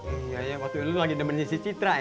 iya iya waktu itu lu lagi demen si citra ya